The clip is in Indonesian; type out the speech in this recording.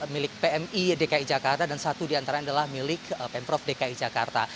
milik pmi dki jakarta dan satu diantara adalah milik pemprov dki jakarta